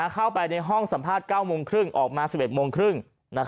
เข้าไปในห้องสัมภาษณ์๙โมงครึ่งออกมา๑๑โมงครึ่ง